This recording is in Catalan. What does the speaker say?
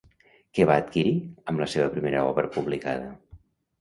Què va adquirir amb la seva primera obra publicada?